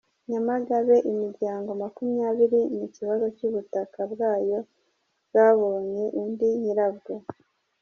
Nyamagabe Imiryango makumyabiri mu kibazo cy’ubutaka bwabo bwabonye undi nyirabwo